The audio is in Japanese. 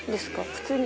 普通に。